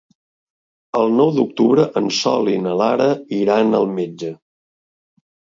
El nou d'octubre en Sol i na Lara iran al metge.